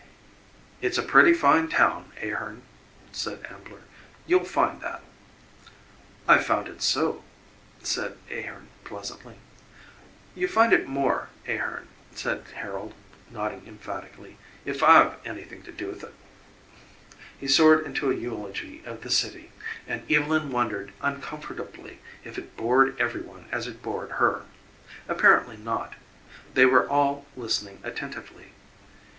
"It's a pretty fine town, Ahearn," said Ambler, "you'll find that." "I've found it so," said Ahearn pleasantly. "You find it more, Ahearn," said Harold, nodding emphatically "'f I've an'thin' do 'th it." He soared into a eulogy of the city, and Evylyn wondered uncomfortably if it bored every one as it bored her. Apparently not. They were all listening attentively.